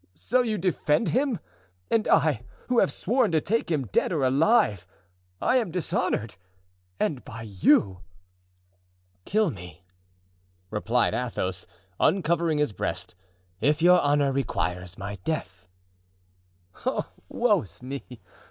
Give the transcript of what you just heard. "So you defend him! And I, who have sworn to take him dead or alive, I am dishonored—and by you!" "Kill me!" replied Athos, uncovering his breast, "if your honor requires my death." "Oh! woe is me!